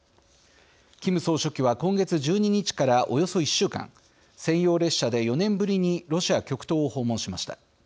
キム総書記は今月１２日からおよそ１週間専用列車で４年ぶりにロシア極東を訪問しました。